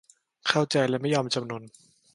เข้าใจและไม่ยอมจำนน